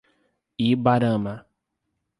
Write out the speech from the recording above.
Ibarama